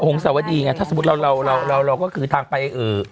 หงศวดีงั้นถ้าสมมติเราก็คือทางไปเอ่อ